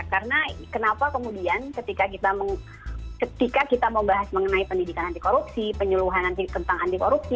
karena kenapa kemudian ketika kita membahas mengenai pendidikan anti korupsi penyuluhan tentang anti korupsi